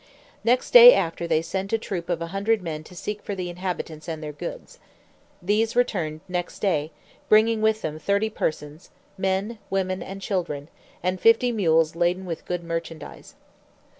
Next day after they sent a troop of a hundred men to seek for the inhabitants and their goods; these returned next day, bringing with them thirty persons, men, women, and children, and fifty mules laden with good merchandise.